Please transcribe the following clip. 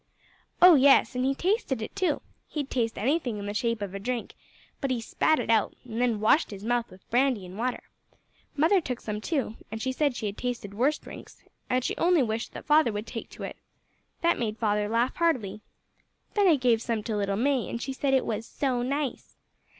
"Oh yes, and he tasted it too he'd taste anything in the shape of drink but he spat it out, and then washed his mouth with brandy an' water. Mother took some too, and she said she had tasted worse drinks; and she only wished that father would take to it. That made father laugh heartily. Then I gave some to little May, and she said it was `So nice.'"